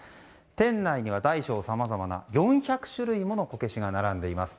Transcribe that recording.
店内には大小さまざまな４００種類ものこけしが並んでいます。